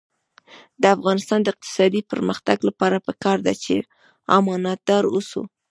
د افغانستان د اقتصادي پرمختګ لپاره پکار ده چې امانتدار اوسو.